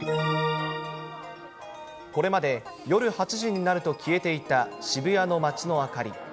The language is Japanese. これまで、夜８時になると消えていた渋谷の街の明かり。